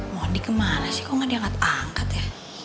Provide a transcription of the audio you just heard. mau dikemana sih kok gak diangkat angkat ya